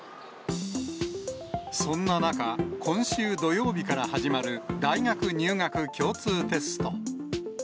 そんな中、今週土曜日から始まる大学入学共通テスト。